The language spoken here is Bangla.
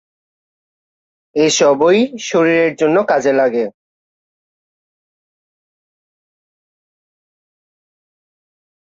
এ সবই শরীরের জন্য কাজে লাগে।